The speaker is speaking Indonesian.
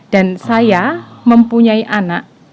dan saya mempunyai anak